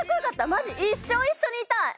マジ一生一緒にいたい！